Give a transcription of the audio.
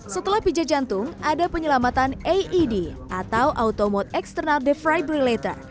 setelah pijat jantung ada penyelamatan aed atau auto mode external defibrillator